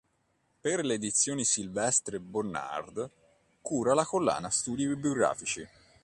Per le Edizioni Sylvestre Bonnard cura la collana Studi Bibliografici.